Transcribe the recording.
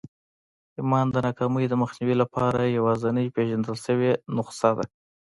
ايمان د ناکامۍ د مخنيوي لپاره يوازېنۍ پېژندل شوې نسخه ده.